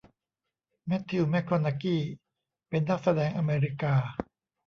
แมทธิวแม็กโคนากี้เป็นนักแสดงอเมริกา